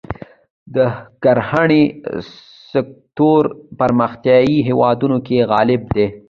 د کرهڼې سکتور پرمختیايي هېوادونو کې غالب دی.